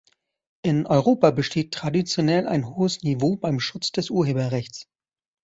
In Europa besteht traditionell ein hohes Niveau beim Schutz des Urheberrechts.